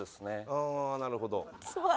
ああなるほど。